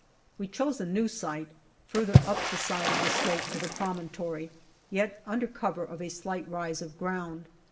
We chose a new site further up the side of the slope of the promontory, yet under cover of a slight rise of ground.